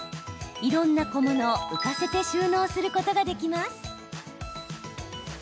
いろんな小物を浮かせて収納することができます。